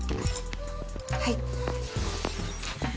はい。